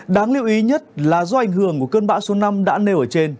đáng lưu ý nhất là do ảnh hưởng của cơn bão số năm đã nêu ở trên